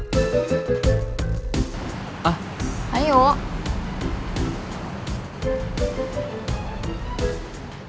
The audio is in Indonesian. pak kita langsung masuk ke dalam